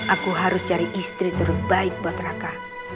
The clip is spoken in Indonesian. aku harus cari istri terbaik buat raka